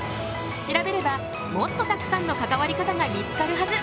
調べればもっとたくさんの関わり方が見つかるはず！